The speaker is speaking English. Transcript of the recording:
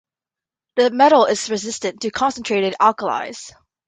The metal is resistant to concentrated alkalis.